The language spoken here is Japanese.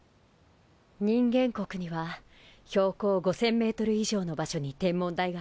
人間国には標高５，０００ｍ以上の場所に天文台があるわ。